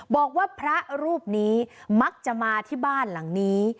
บอกว่าพระรูปนี้มักจะมาที่บ้านหลังนี้